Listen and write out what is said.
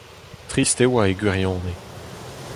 Trist e oa e gwirionez.